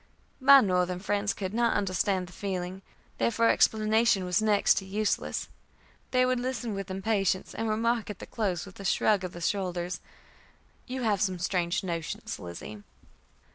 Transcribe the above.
My Northern friends could not understand the feeling, therefore explanation was next to useless. They would listen with impatience, and remark at the close, with a shrug of the shoulders, "You have some strange notions, Lizzie."